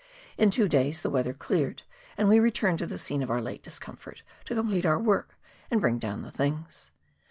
In two days the weather cleared and we returned to the scene of our late discomfort, to complete our work and bring down the things.